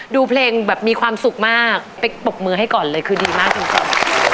ดูเพลงแบบมีความสุขมากเป๊กปรบมือให้ก่อนเลยคือดีมากจริง